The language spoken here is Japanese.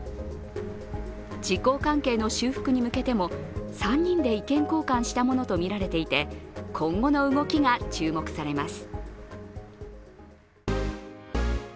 自公関係の修復に向けても、３人で意見交換したものとみられていて、今後の動きが注目されます。